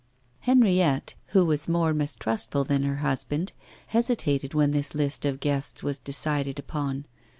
Henriette, who was more mistrustful than her husband, hesitated when this list of guests was decided upon.